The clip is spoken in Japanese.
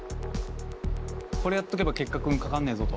これやっとけば結核にかかんねえぞと。